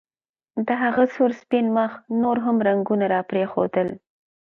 د هغه سور سپین مخ نور هم رنګونه راپرېښودل